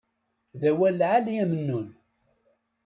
D awal lɛali a Mennun.